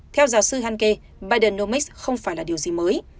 theo giáo sư hanke biden noix không phải là điều gì mới